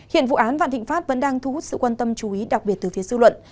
hiện vụ án vạn thịnh pháp vẫn đang thu hút sự quan tâm chú ý đặc biệt từ phía sư luận